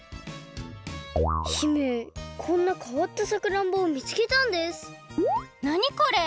姫こんなかわったさくらんぼをみつけたんですなにこれ？